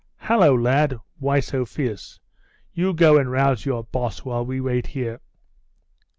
"Hallo, lad! why so fierce? You go and rouse your boss while we wait here?"